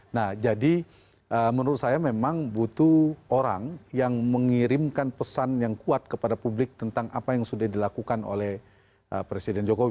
nah jadi menurut saya memang butuh orang yang mengirimkan pesan yang kuat kepada publik tentang apa yang sudah dilakukan oleh presiden jokowi